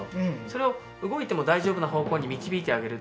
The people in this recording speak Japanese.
それを動いても大丈夫な方向に導いてあげる。